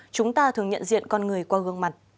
chúng ta thường nhận diện con người qua gương mặt